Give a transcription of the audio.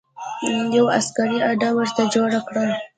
یوه عسکري اډه ورته جوړه کړه.